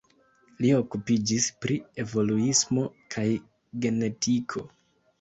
Li okupiĝis pri evoluismo kaj genetiko.